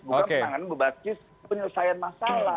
bukan penanganan berbasis penyelesaian masalah